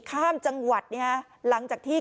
กลุ่มตัวเชียงใหม่